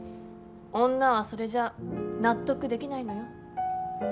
女はそれじゃ納得できないのよ。